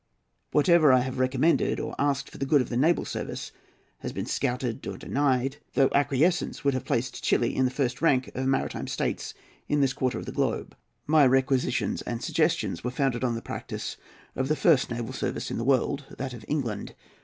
Whatever I have recommended or asked for the good of the naval service has been scouted or denied, though acquiescence would have placed Chili in the first rank of maritime states in this quarter of the globe. My requisitions and suggestions were founded on the practice of the first naval service in the world—that of England.